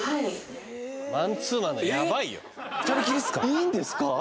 いいんですか？